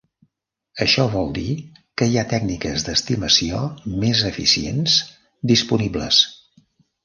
Això vol dir que hi ha tècniques d'estimació més eficients disponibles.